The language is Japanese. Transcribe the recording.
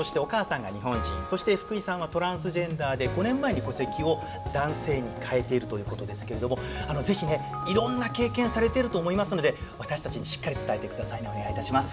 そして福井さんはトランスジェンダーで５年前に戸籍を男性に変えているということですけれども是非ねいろんな経験されていると思いますので私たちにしっかり伝えてくださいねお願いいたします。